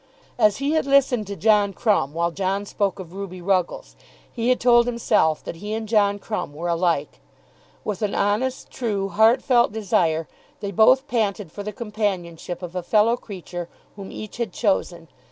As he had listened to John Crumb while John spoke of Ruby Ruggles, he had told himself that he and John Crumb were alike. With an honest, true, heart felt desire they both panted for the companionship of a fellow creature whom each had chosen.